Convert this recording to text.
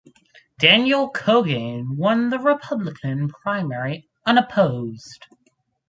Daniel Kogan won the Republican primary unopposed.